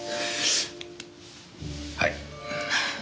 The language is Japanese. はい。